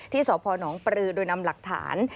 สพนปรือโดยนำหลักฐาน